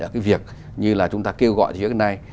ở cái việc như là chúng ta kêu gọi